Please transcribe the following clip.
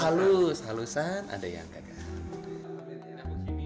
halus halusan ada yang gagah